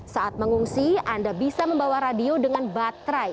saat mengungsi anda bisa membawa radio dengan baterai